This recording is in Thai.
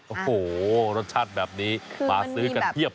โอ้โหรสชาติแบบนี้มาซื้อกันเพียบ